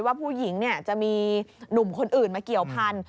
ว่าผู้หญิงจะมีหนุ่มคนอื่นมาเกี่ยวพันธ